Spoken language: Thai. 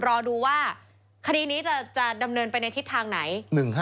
รอดูว่าคดีนี้จะดำเนินไปในทิศทางไหน